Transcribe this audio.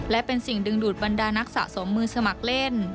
และเป็นสิ่งดึงดูดบรรดานักสะสมมือสมัครเล่น